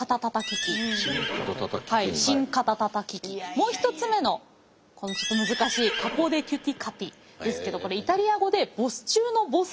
もう一つ目のちょっと難しいカポデテュティカピですけどこれイタリア語でボス中のボス。